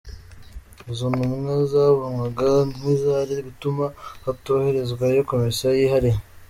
Izo ntumwa zabonwaga nk’izari gutuma hatoherezwayo komisiyo yihariye.